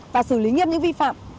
và xử lý nghiêm những vi phạm